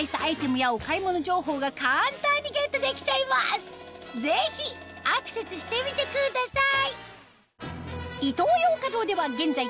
画面右上のぜひアクセスしてみてください